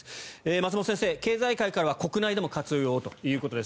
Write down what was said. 松本先生、経済界からは国内でも活用をということです。